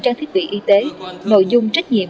trang thiết bị y tế nội dung trách nhiệm